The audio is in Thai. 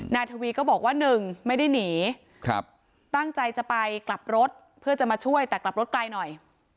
นายทวีก็บอกว่าหนึ่งไม่ได้หนีตั้งใจจะไปกลับรถเพื่อจะมาช่วยแต่กลับรถไกลหน่อย